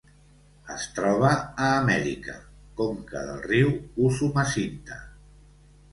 Es troba a Amèrica: conca del riu Usumacinta.